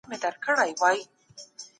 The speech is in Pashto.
وزیرانو به په قانون کي مساوات رامنځته کاوه.